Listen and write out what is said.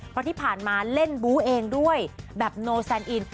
เพราะที่ผ่านมาเล่นบู๊เองด้วยแบบโนแซนอิน